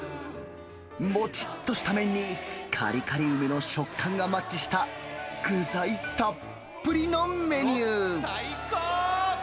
もちっとした麺にかりかり梅の食感がマッチした具材たっぷりのメニュー。